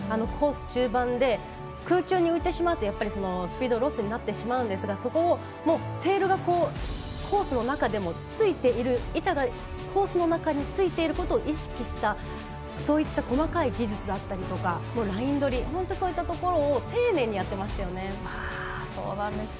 コース中盤で空中に浮いてしまうとやっぱりスピードロスになりますがそこをテールがコースの中でも板がコースの中についていることを意識したそういった細かい技術だったりライン取りそういったところを丁寧にやっていましたよね。